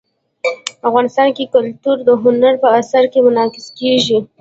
افغانستان کې کلتور د هنر په اثار کې منعکس کېږي.